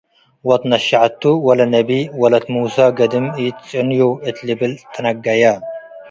ወትነሽዐቱ ወለነቢ፤ “ወለት ሙሳ፡ ገድም ኢትጹንዮ”ሥ እት ልብል ተነገየ።